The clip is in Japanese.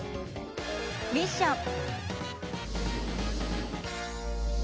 ミッション。